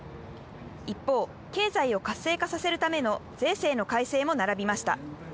一方、経済を活性化させるための税制の改正も並びました。